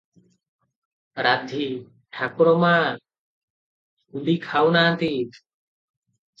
ରାଧୀ - ଠାକୁର ମା, ଖୁଡ଼ି ଖାଉ ନାହାନ୍ତି ।